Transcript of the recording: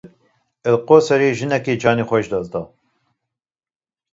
Li Qoserê jinekê canê xwe ji dest da.